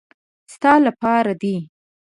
ستا له پاره دي .